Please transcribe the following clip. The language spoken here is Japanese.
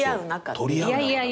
いやいやいやいや。